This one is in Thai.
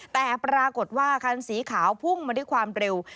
แต่ปรากฏว่าคันสีขาวพุ่งมาด้วยความเร็ว